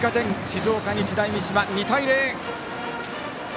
静岡・日大三島、２対０。